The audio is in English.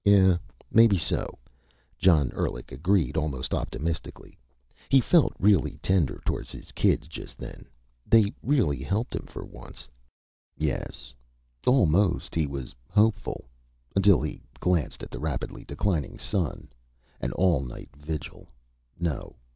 "Yeah maybe so," John Endlich agreed almost optimistically. He felt really tender toward his kids, just then. They'd really helped him, for once. Yes almost he was hopeful. Until he glanced at the rapidly declining sun. An all night vigil. No.